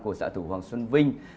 của xã thủ hoàng xuân vinh